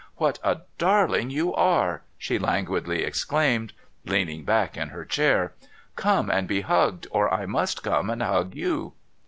' What a darling you are !' she languidly exclaimed, leaning back in her chair. ' Come and be hugged, or I must come and hug you.'